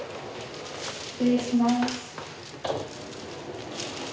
失礼します。